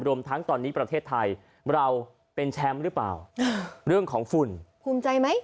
รวมทั้งตอนนี้ประเทศไทยเราเป็นแชมป์หรือเปล่าเรื่องของฝุ่นภูมิใจไหม